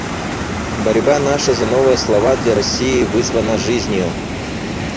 Борьба наша за новые слова для России вызвана жизнью.